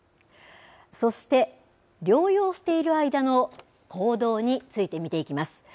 そして、療養している間の行動について見ていきます。